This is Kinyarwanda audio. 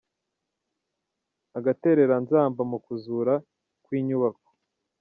Agatereranzamba mu kuzura kw’inyubako